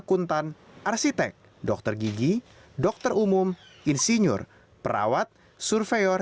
akuntan arsitek dokter gigi dokter umum insinyur perawat surveyor